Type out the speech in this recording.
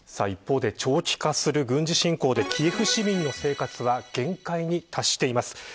一方で長期化する軍事侵攻でキエフ市民生活は限界に達しています。